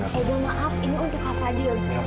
edo maaf ini untuk kak fadil